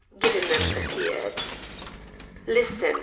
Giddenem appeared. "Listen!"